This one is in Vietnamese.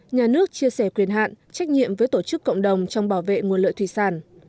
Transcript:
nhà nước chia sẻ quyền hạn trách nhiệm với tổ chức cộng đồng trong bảo vệ nguồn lợi thủy sản